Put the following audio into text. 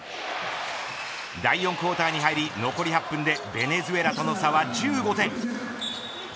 第４クオーターに入り残り８分でベネズエラとの差は１５点